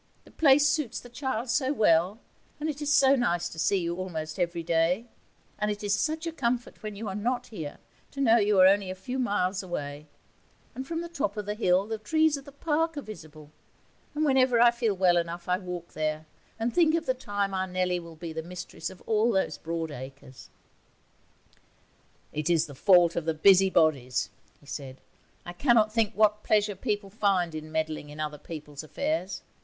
The place suits the child so well, and it is so nice to see you almost every day; and it is such a comfort when you are not here to know you are only a few miles away; and from the top of the hill the trees of the park are visible, and whenever I feel well enough I walk there and think of the time our Nellie will be the mistress of all those broad acres.' 'It is the fault of the busybodies,' he said; 'I cannot think what pleasure people find in meddling in other people's affairs.